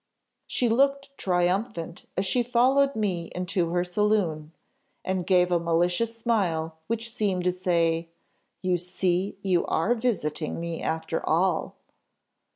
"She looked triumphant as she followed me into her saloon, and gave a malicious smile, which seemed to say, 'You see you are visiting me after all.